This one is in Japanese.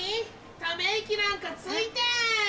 ため息なんかついて・